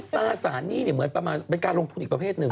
ตราสารหนี้เหมือนประมาณเป็นการลงทุนอีกประเภทหนึ่ง